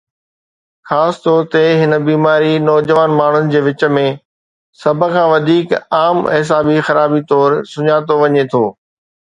خاص طور تي، هي بيماري نوجوان ماڻهن جي وچ ۾ سڀ کان وڌيڪ عام اعصابي خرابي طور سڃاتو وڃي ٿو